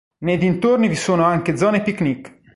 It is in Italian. Nei dintorni vi sono anche zone pic nic.